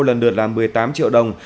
lần lượt là một mươi tám triệu đồng